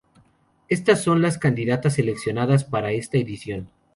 Estas son las candidatas seleccionadas para esta edición.